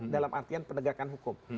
dalam artian penegakan hukum